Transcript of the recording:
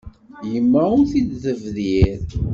Yemma ur t-id-tebdir.